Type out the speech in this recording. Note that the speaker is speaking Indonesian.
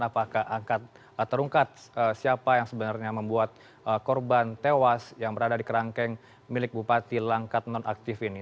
apakah angkat atau rungkat siapa yang sebenarnya membuat korban tewas yang berada di kerangkeng milik bupati langkat nonaktif ini